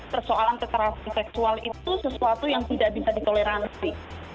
persoalan kekerasan seksual itu sesuatu yang tidak bisa ditoleransi